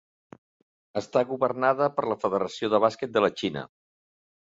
Està governada per la Federació de Bàsquet de la Xina.